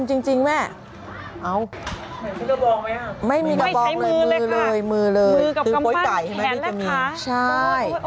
มีกระบองไหมอะไม่ใช้มือเลยค่ะมือกับกำปั้นแขนแหละคะมือเลยตูป้วยไก่ให้แม่พี่จะมีใช่